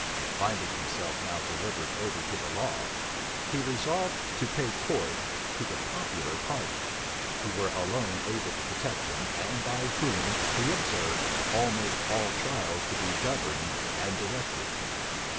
Finding himself now delivered over to the law, he resolved to pay court to the popular party, who were alone able to protect him, and by whom he observed almost all trials to be governed and directed.